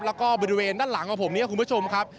แล้วก็บริเวณด้านหลังของผมเนี่ยคุณผู้ชมครับ